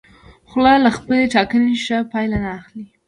خو له خپلې ټاکنې ښه پایله نه اخلي.